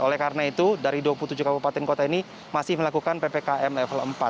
oleh karena itu dari dua puluh tujuh kabupaten kota ini masih melakukan ppkm level empat